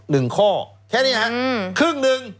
แล้วเขาก็ใช้วิธีการเหมือนกับในการ์ตูน